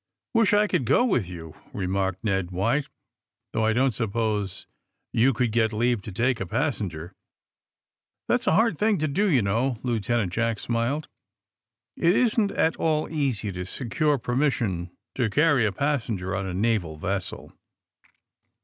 ^^Wisli I conld go with you,'^ remarked Ned White, ^^ though I don't suppose you could get leave to take a passenger." '^ That 's a hard thing to do, you know, '' Lieu tenant Jack smiled. It isn't at all easy to se cure permission to carry a passenger on a naval vessel.